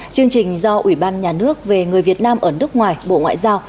chương trình do ủy ban nhà nước về người việt nam ở nước ngoài bộ ngoại giao